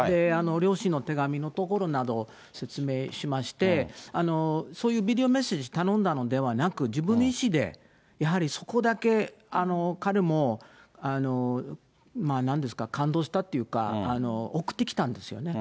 両親の手紙のところなど、説明しまして、そういうビデオメッセージ、頼んだのではなく、自分の意思でやはりそこだけ、彼もなんですか、感動したというか、送ってきたんですよね。